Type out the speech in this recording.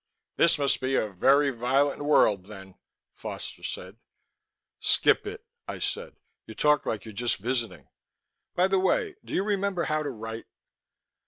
"This must be a very violent world, then," Foster said. "Skip it," I said. "You talk like you're just visiting. By the way; do you remember how to write?"